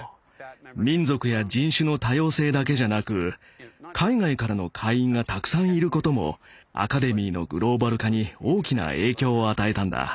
民族や人種の多様性だけじゃなく海外からの会員がたくさんいることもアカデミーのグローバル化に大きな影響を与えたんだ。